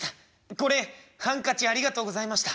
これハンカチありがとうございました」。